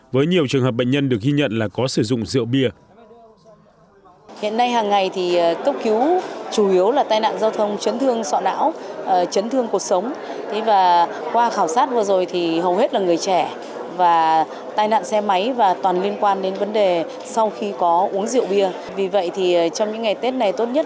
với nhiều trường hợp bệnh nhân được ghi nhận là có sử dụng rượu bia